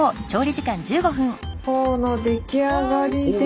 フォーの出来上がりです。